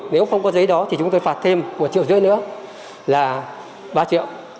nếu không có giấy đó thì chúng tôi phạt thêm một triệu rưỡi nữa là ba triệu